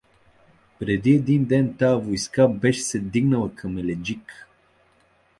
Преди един ден тая войска беше се дигнала към Еледжик.